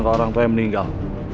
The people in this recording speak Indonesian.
atau orang tua yang meninggal